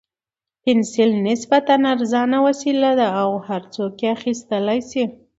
پنسل نسبتاً ارزانه وسیله ده او هر څوک یې اخیستلای شي.